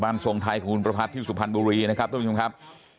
ทรงไทยคุณประพัทธที่สุพรรณบุรีนะครับทุกผู้ชมครับ